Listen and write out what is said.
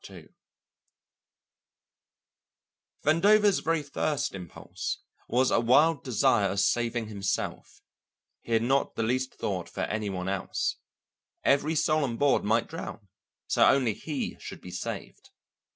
Vandover's very first impulse was a wild desire of saving himself; he had not the least thought for any one else. Every soul on board might drown, so only he should be saved.